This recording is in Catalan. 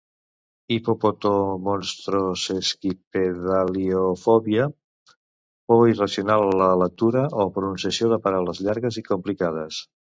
Hipopotomonstrosesquipedaliofòbia: por irracional a la lectura o pronunciació de paraules llargues i complicades